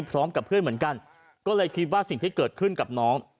พร้อมกับเพื่อนเหมือนกันก็เลยคิดว่าสิ่งที่เกิดขึ้นกับน้อง